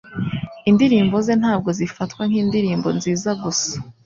Indirimbo ze ntabwo zifatwa nk'indirimbo nziza gusa